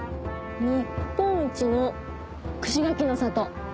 「日本一の串柿の里」。